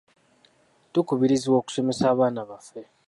Tukubirizibwa okusomesa abaana baffe.